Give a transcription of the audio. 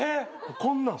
こんなん。